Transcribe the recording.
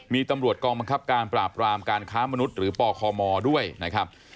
มีตำรวจกองบังคับการปราบรามการค้ามนุษย์หรือปคมด้วยนะครับ